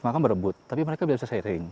maka berebut tapi mereka bisa sharing